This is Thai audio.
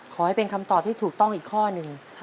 ขอให้เป็นคำตอบที่ถูกต้องอีกข้อหนึ่ง